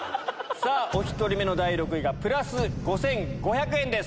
さぁお１人目の第６位がプラス５５００円です。